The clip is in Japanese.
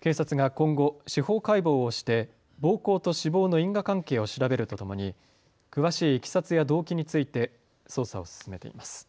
警察が今後、司法解剖をして暴行と死亡の因果関係を調べるとともに詳しいいきさつや動機について捜査を進めています。